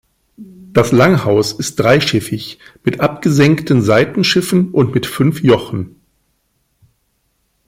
Das Langhaus ist dreischiffig, mit abgesenkten Seitenschiffen und mit fünf Jochen.